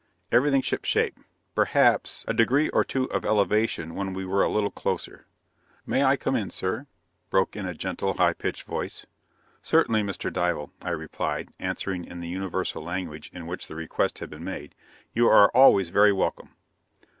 Everything shipshape: perhaps, a degree or two of elevation when we were a little closer "May I come in sir?" broke in a gentle, high pitched voice. "Certainly, Mr. Dival," I replied, answering in the Universal language in which the request had been made. "You are always very welcome."